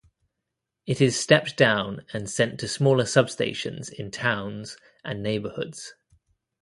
It is stepped down and sent to smaller substations in towns and neighborhoods.